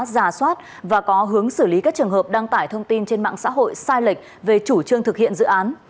giả soát và có hướng xử lý các trường hợp đăng tải thông tin trên mạng xã hội sai lệch về chủ trương thực hiện dự án